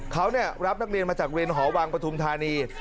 เขารับนักเรียนมาจากเรียนหอวังปฐุมธานี